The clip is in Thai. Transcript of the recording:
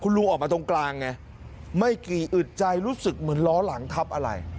ลุงออกมาตรงกลางไงไม่กี่อึดใจรู้สึกเหมือนล้อหลังทับอะไร